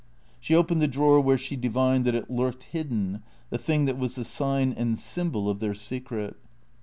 She opened the drawer where she divined that it lurked hid den, the thing that was the sign and symbol of their secret.